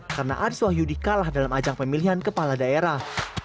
karena aris wahyudi kalah dalam ajang pemilihan kepala daerah